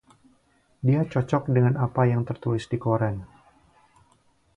Dia cocok dengan apa yang tertulis di koran.